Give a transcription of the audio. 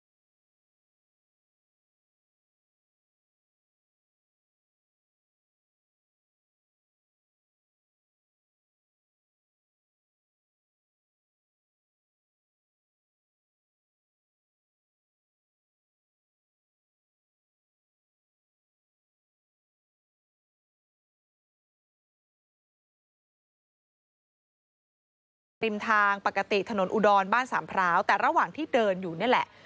จอดอยู่ริมทางปกติถนนอุดรบ้านสามพร้าวแต่ระหว่างที่เดินอยู่นี่แหละ